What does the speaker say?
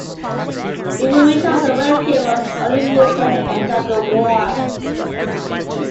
Information on the Welkin was only released at the end of the war.